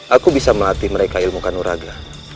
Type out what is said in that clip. aku bisa melatih mereka ilmu kanuraga